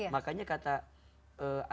makanya kata allah berdoa kepada allah